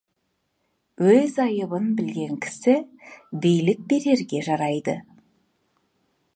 Өз айыбын білген кісі билік берерге жарайды.